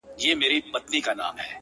راڅخه زړه وړي رانه ساه وړي څوك ـ